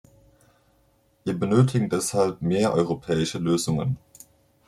Wir benötigen deshalb mehr europäische Lösungen.